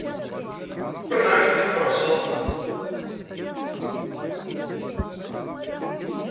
Anda ay tent-id-tfarseḍ?